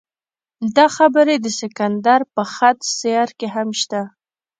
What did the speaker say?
دا خبرې د سکندر په خط سیر کې هم شته.